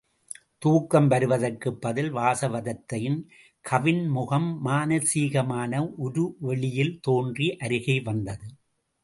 தூக்கம் வருவதற்குப் பதில் வாசவதத்தையின் கவின்முகம் மானசீகமான உரு வெளியில் தோன்றி அருகே வந்தது.